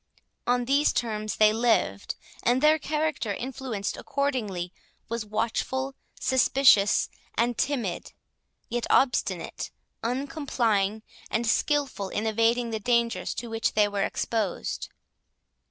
On these terms they lived; and their character, influenced accordingly, was watchful, suspicious, and timid—yet obstinate, uncomplying, and skilful in evading the dangers to which they were exposed.